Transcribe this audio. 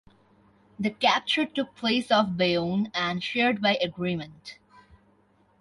The capture took place off Bayonne and shared by agreement.